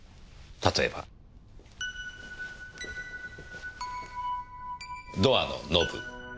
例えば。ドアのノブ。